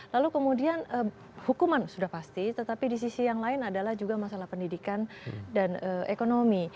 lalu kemudian hukuman sudah pasti tetapi di sisi yang lain adalah juga masalah pendidikan dan ekonomi